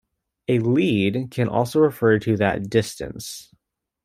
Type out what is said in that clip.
A "lead" can also refer to that distance.